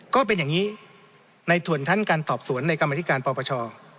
ก็เป็นอย่างนี้ในส่วนชั้นการสอบสวนในกรรมธิการปปช